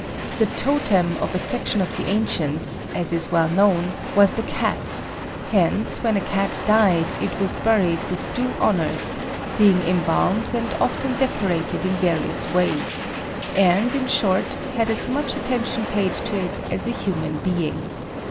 The "totem" of a section of the ancients, as is well known, was the Cat; hence when a Cat died it was buried with due honours, being embalmed, and often decorated in various ways, and, in short, had as much attention paid to it as a human being.